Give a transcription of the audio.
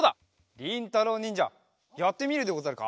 りんたろうにんじゃやってみるでござるか？